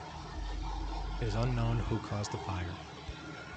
It is unknown who caused the fire.